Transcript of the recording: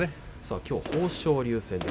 きょうは豊昇龍戦です。